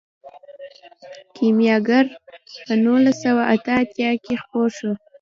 کیمیاګر په نولس سوه اته اتیا کې خپور شو.